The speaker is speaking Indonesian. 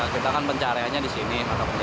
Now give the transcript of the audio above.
kita kan pencariannya di sini